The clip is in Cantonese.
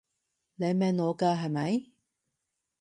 你明我㗎係咪？